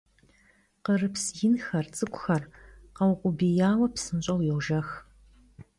Khırıps yinxer, ts'ık'uxer kheukhubiyaue, psınş'eu yojjex.